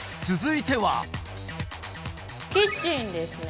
キッチンですね